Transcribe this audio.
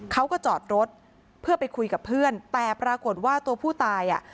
เขาก็จอดรถเพื่อไปคุยกับเพื่อนแต่ปรากฏว่าตัวผู้ตายอ่ะ